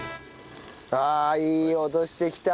ああいい音してきた。